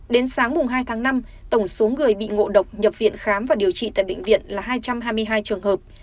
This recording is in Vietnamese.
đến sáng hai tháng năm tổng số người bị ngộ độc nhập viện khám và điều trị tại bệnh viện là hai trăm hai mươi hai trường hợp